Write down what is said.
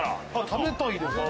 食べたいですね。